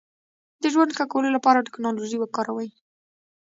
د ژوند ښه کولو لپاره ټکنالوژي وکاروئ.